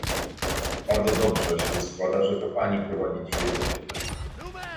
Bardzo dobrze się składa, że to Pani prowadzi dzisiaj to posiedzenie